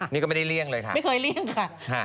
นี่ก็ไม่ได้เลี่ยงเลยค่ะไม่เคยเลี่ยงค่ะ